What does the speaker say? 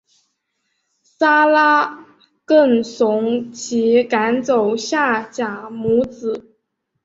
撒拉更怂其赶走夏甲母子。